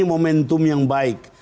momentum yang baik